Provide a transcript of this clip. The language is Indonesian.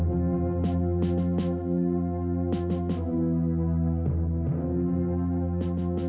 mempertimbangkan kemampuan dan pemilikan senjata kita